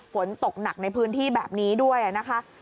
ฝนตกหนักในพื้นที่แบบนี้ด้วยนะคะ